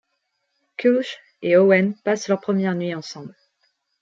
Kulhwch et Olwen passent leur première nuit ensemble.